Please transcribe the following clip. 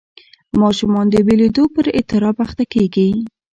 ماشومان د بېلېدو پر اضطراب اخته کېږي.